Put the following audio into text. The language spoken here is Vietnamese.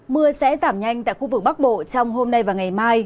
mưa sẽ giảm nhanh tại khu vực bắc bộ trong hôm nay và ngày mai